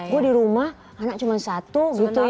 gue di rumah anak cuma satu gitu